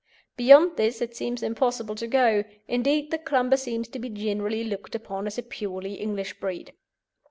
Beyond this it seems impossible to go: indeed, the Clumber seems to be generally looked upon as a purely English breed.